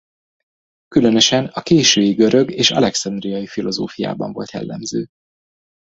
Különösen a késői görög és alexandriai filozófiában volt jellemző.